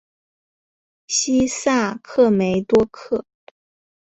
西萨克梅多克。